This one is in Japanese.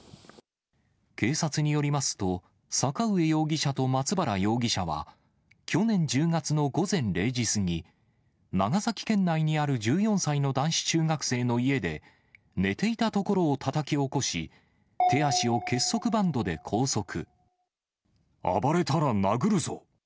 警察によりますと、坂上容疑者と松原容疑者は、去年１０月の午前０時過ぎ、長崎県内にある１４歳の男子中学生の家で、寝ていたところをたたき起こし、暴れたら殴るぞ。